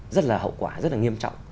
rất là hậu quả rất là nghiêm trọng